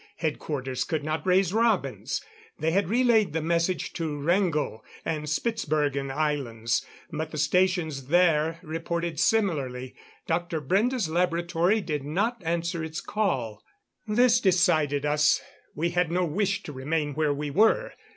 Headquarters could not raise Robins. They had relayed the message to Wrangel and Spitzbergen Islands but the stations there reported similarly. Dr. Brende's laboratory did not answer its call. This decided us. We had no wish to remain where we were.